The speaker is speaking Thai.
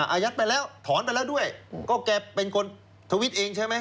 อายัดไปแล้วถอนไปแล้วด้วยก็แกเป็นคนทวิตเองใช่ไหม